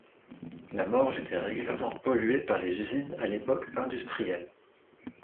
La Morge était régulièrement polluée par les usines à l'époque industrielle.